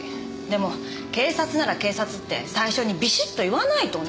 でも警察なら警察って最初にビシッと言わないとね。